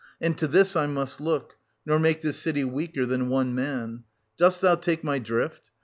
And to this I must look, nor make this city weaker than one man. Dost thou take my drift?